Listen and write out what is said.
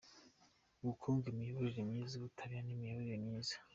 Ubukungu, Imiyoborere myiza, Ubutabera n’imibereho myiza.